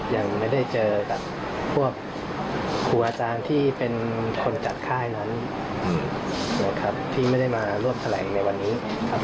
ยังไม่ได้เจอกับพวกครูอาจารย์ที่เป็นคนจัดค่ายนั้นนะครับที่ไม่ได้มาร่วมแถลงในวันนี้ครับ